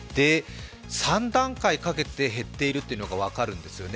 ３段階かけて減っているのが分かるんですよね。